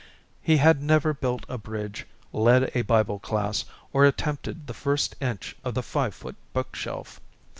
He had never built a bridge, led a Bible class, or attempted the first inch of the five foot bookshelf.